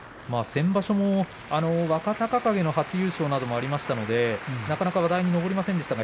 先場所も若隆景の初優勝などがありましたしなかなか話題に上りませんでした。